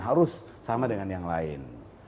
harus sama dengan yang lain